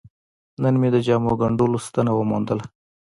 نن مې د جامو ګنډلو ستنه وموندله.